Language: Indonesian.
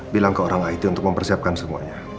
bilang ke orang it untuk mempersiapkan semuanya